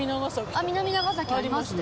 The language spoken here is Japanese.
あっ南長崎ありますね。